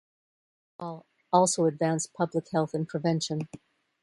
Rall also advanced public health and prevention.